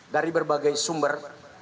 dari berbagai sumber